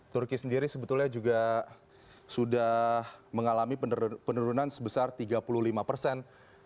turki sendiri sebetulnya juga sudah mengalami penurunan sebesar tiga puluh lima persen